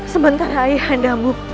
sementara ayah anda